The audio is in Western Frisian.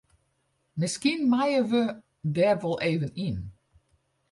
Miskien meie we der wol even yn.